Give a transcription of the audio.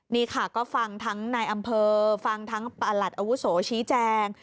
นี่ค่ะก็ฟังทั้งนายอำเภอฟังทั้งประหลัดอาวุโสชี้แจง